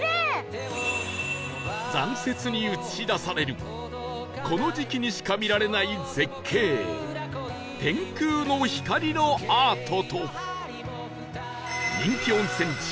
残雪に映し出されるこの時期にしか見られない絶景天空の光のアートと人気温泉地